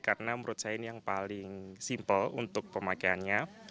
karena menurut saya ini yang paling simple untuk pemakaiannya